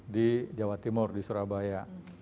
di jawa timur di surabaya